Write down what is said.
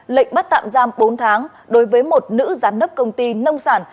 lệnh bắt tạm giam bốn tháng đối với một nữ giám đốc công ty nông sản